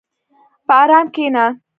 په ارام کښېنه.